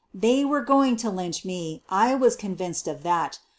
They were going to lynch me — I was convinced of that.